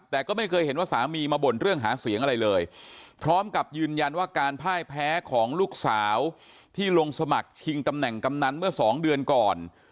แต่ก็ไม่เคยเห็นว่าสามีมาบ่นเรื่องหาเสียงอะไรเลยพร้อมกับยืนยันว่าการพ่ายแพ้ของลูกสาวที่ลงสมัครชิงตำแหน่งกำนันเมื่อสองเดือนก่อน